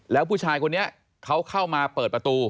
แล้วผู้ชายคนนี้เขาเข้ามาเปิดประตู